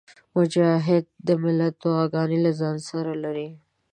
مجاهد د ملت دعاګانې له ځانه سره لري.